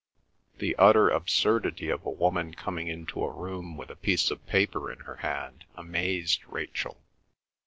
The utter absurdity of a woman coming into a room with a piece of paper in her hand amazed Rachel.